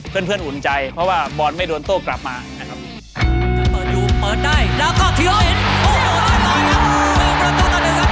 เพื่อนเพื่อนอุ่นใจเพราะว่าบอลไม่โดนโต้กลับมานะครับ